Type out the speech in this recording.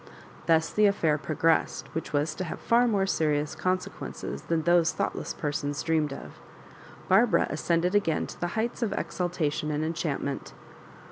Thus the affair progressed which was to have far more serious consequences than those thought less persons dreamed of. Barbara ascended again to the heights of exultation' and enchantment.